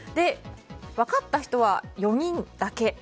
分かった人は４人だけ。